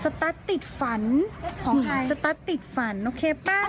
สตาร์ทติดฝันสตาร์ทติดฝันโอเคป่ะ